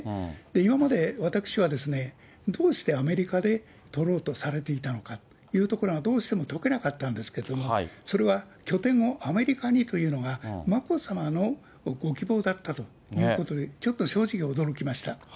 今まで私はですね、どうしてアメリカで取ろうとされていたのかというところが、どうしても解けなかったんですけれども、それは拠点をアメリカにというのは、眞子さまのご希望だったということで、ちょっと正直、驚きました。